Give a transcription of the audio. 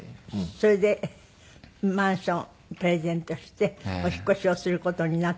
それでマンションプレゼントしてお引っ越しをする事になって。